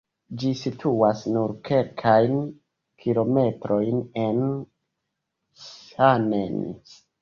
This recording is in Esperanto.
Ĝi situas nur kelkajn kilometrojn el Cannes.